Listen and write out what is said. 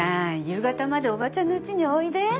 夕方までオバチャンのうちにおいで。